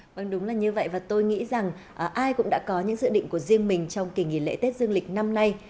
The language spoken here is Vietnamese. vâng đúng là như vậy và tôi nghĩ rằng ai cũng đã có những dự định của riêng mình trong kỳ nghỉ lễ tết dương lịch năm nay